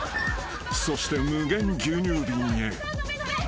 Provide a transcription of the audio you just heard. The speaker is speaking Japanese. ［そして無限牛乳瓶へ］